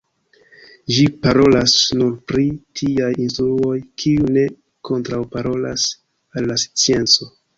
Ĝi parolas nur pri tiaj instruoj, kiuj ne kontraŭparolas al la scienco.